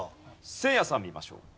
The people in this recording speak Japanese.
せいやさん見ましょう。